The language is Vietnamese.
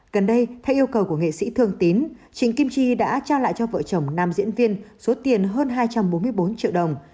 gần đây theo yêu cầu của nghệ sĩ thường tín trình kim chi đã trao lại cho vợ chồng nam diễn viên số tiền hơn hai trăm bốn mươi bốn triệu đồng